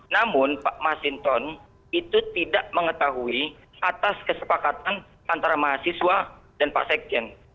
namun pak masinton itu tidak mengetahui atas kesepakatan antara mahasiswa dan pak sekjen